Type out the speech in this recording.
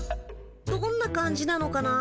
どんな感じなのかな。